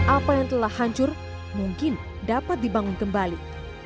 apa yang telah hancur mungkin dapat dibangun kembali